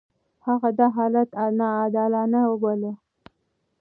هغه دا حالت ناعادلانه وباله.